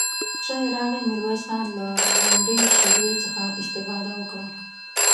چای راغی، ميرويس خان له لنډې شيبې څخه استفاده وکړه.